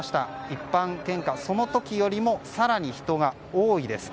一般献花のその時よりも更に人が多いです。